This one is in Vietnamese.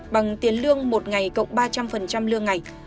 bằng tiền lương một ngày cộng ba trăm linh lương ngày